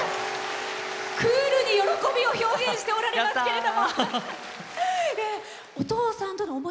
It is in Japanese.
クールに喜びを表現しておられますけども。